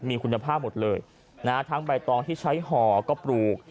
มีคุณภาพหมดเลยนะฮะทั้งใบตองที่ใช้ห่อก็ปลูก